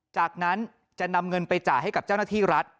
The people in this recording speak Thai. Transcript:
จากนั้นจะนำเงินไปจ่ายให้กับเจ้าหน้าที่รัฐ